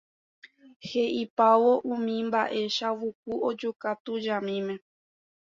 He'ipávo umi mba'e Chavuku ojuka tujamíme.